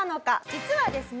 実はですね